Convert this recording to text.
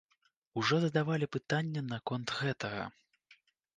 Ужо задавалі пытанне наконт гэтага.